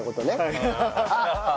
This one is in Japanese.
ハハハッ。